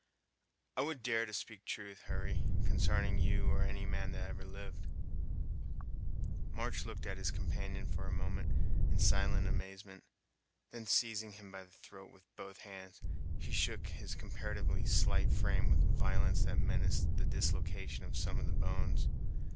"I would dare to speak truth, Hurry, consarning you or any man that ever lived." March looked at his companion, for a moment, in silent amazement; then seizing him by the throat with both hands, he shook his comparatively slight frame with a violence that menaced the dislocation of some of the bones.